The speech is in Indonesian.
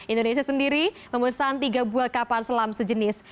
indonesia sendiri memesan tiga buah kapal selam sejenis